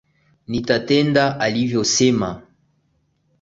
Nitatenda alivyo sema